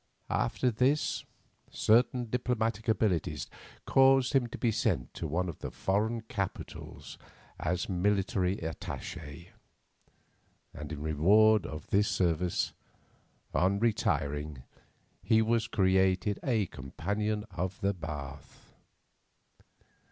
After this, certain diplomatic abilities caused him to be sent to one of the foreign capitals as military attache, and in reward of this service, on retiring, he was created a Companion of the Bath.